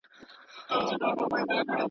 دوستانه محفلونه ښه یادونه جوړوي